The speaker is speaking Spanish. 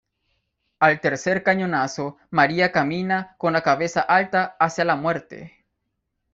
Al tercer cañonazo, María camina, con la cabeza alta, hacia la muerte.